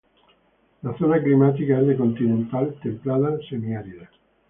La zona climática es de continental templada semiárida.